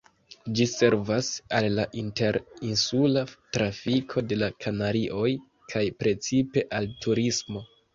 Ĝi servas al la inter-insula trafiko de la Kanarioj kaj precipe al turismo.